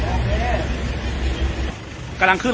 อ๋อต้องกลับมาก่อน